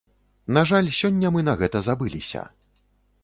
На жаль, сёння мы на гэта забыліся.